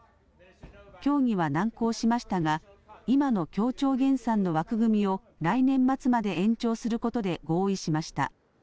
協議は難航しましたが今の協調減産の枠組みを来年末まで延長することで合意しました。